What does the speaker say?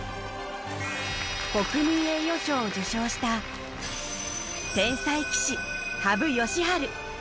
国民栄誉賞を受賞した天才棋士、羽生善治。